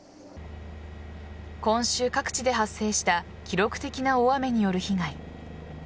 今週、各地で発生した記録的な大雨による被害。